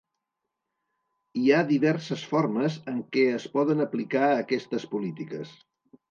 Hi ha diverses formes en què es poden aplicar aquestes polítiques.